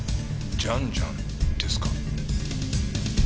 ジャンジャンですか？